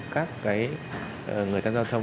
các người tham gia giao thông